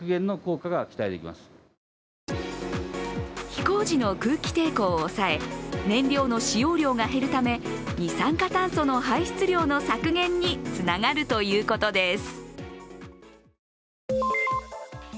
飛行時の空気抵抗を抑え、燃料の使用量が減るため二酸化炭素の排出量の削減につながるということです。